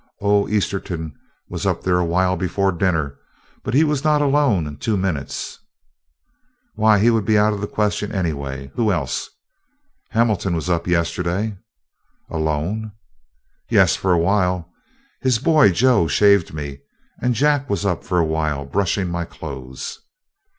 "Oh, Esterton was up there awhile before dinner. But he was not alone two minutes." "Why, he would be out of the question anyway. Who else?" "Hamilton was up yesterday." "Alone?" "Yes, for a while. His boy, Joe, shaved me, and Jack was up for a while brushing my clothes."